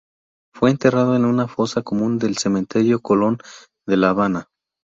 Fue enterrado en una fosa común del cementerio Colón de La Habana.